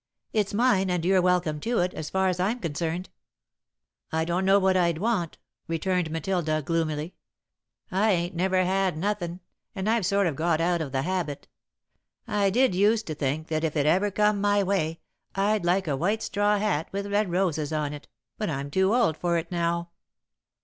It's mine, and you're welcome to it, as far as I'm concerned." "I don't know what I'd want," returned Matilda, gloomily. "I ain't never had nothin', and I've sort of got out of the habit. I did used to think that if it ever come my way, I'd like a white straw hat with red roses on it, but I'm too old for it now."